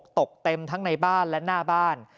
ตกเต็มทั้งในบ้านและหน้าบ้าน